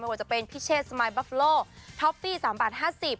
ไม่ว่าจะเป็นพี่เชฟสมัยบัฟโฟโลท็อปฟี่สามบาทห้าสิบ